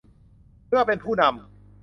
เพื่อเป็นผู้นำ